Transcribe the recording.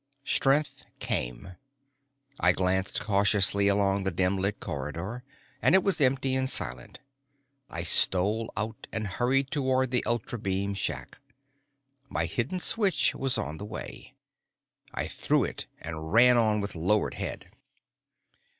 Strength came. I glanced cautiously along the dim lit corridor, and it was empty and silent. I stole out and hurried toward the ultrabeam shack. My hidden switch was on the way; I threw it and ran on with lowered head.